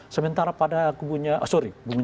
sementara pada kubunya pak jokowi